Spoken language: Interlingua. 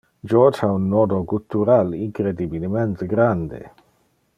George ha un nodo guttural incredibilemente grande.